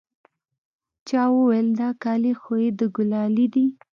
چا وويل دا کالي خو يې د ګلالي دي.